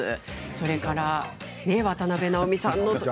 それから、渡辺直美さんの。